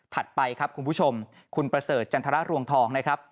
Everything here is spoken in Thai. ไปครับคุณผู้ชมคุณประเสริฐจันทรรวงทองนะครับ